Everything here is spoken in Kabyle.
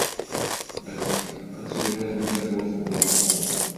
Azekka, ad turarem takurt n uḍar.